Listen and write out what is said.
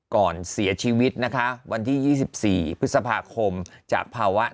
ก่อนเสียชีวิตนะคะวันที่๒๔พฤษภาคมจากภาวะ